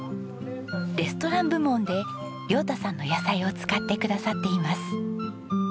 レストラン部門で亮太さんの野菜を使ってくださっています。